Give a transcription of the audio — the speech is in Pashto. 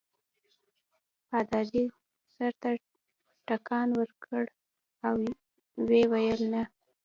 پادري سر ته ټکان ورکړ او ویې ویل نه.